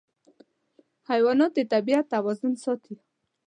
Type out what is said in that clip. حیوانات د طبیعت توازن ساتي.